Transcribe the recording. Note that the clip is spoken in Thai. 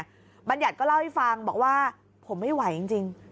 ฉันอยากให้ฟังบอกว่าผมไม่ไหวจริง